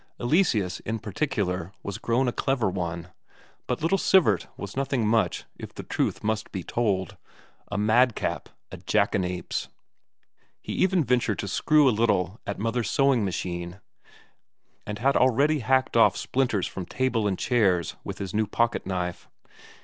Eleseus in particular was grown a clever one, but little Sivert was nothing much, if the truth must be told a madcap, a jackanapes. He even ventured to screw a little at Mother's sewing machine, and had already hacked off splinters from table and chairs with his new pocket knife.